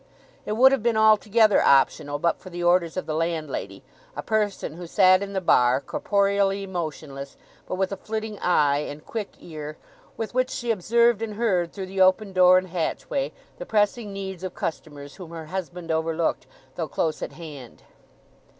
It would have been altogether optional but for the orders of the landlady, a person who sat in the bar, corporeally motionless, but with a flitting eye and quick ear, with which she observed and heard through the open door and hatchway the pressing needs of customers whom her husband overlooked though close at hand.